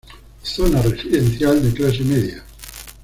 Zona residencial de clase media.